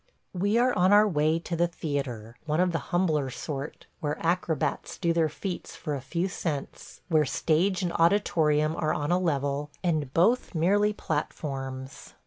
... We are on our way to the theatre – one of the humbler sort, where acrobats do their feats for a few cents, where stage and auditorium are on a level, and both merely platforms.